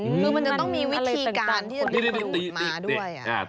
คือมันจะต้องมีวิธีการที่จะดึงออกมาด้วย